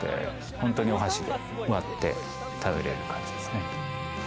本当にお箸で割って食べれる感じですね。